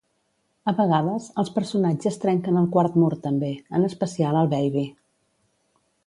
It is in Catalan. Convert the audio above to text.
A vegades, els personatges trenquen el quart mur també, en especial el Baby.